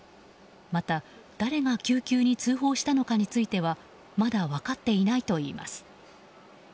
また、誰が救急に通報したのかについてはまだ分かっていないといいます。